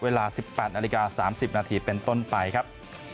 เวลา๑๘นาฬิกา๓๐นาทีเป็นต้นไปครับ